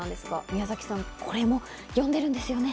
宮崎さんこれも読んでいるんですよね。